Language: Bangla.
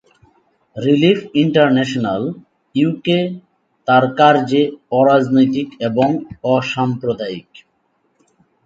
রিলিফ ইন্টারন্যাশনাল ইউকে তার কার্যে অরাজনৈতিক এবং অসাম্প্রদায়িক।